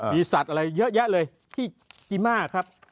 มีสัตว์อะไรเยอะแยะเลยที่กิมาครับ